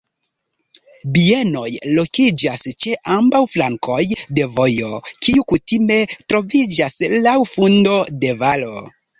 Bienoj lokiĝas ĉe ambaŭ flankoj de vojo, kiu kutime troviĝas laŭ fundo de valo.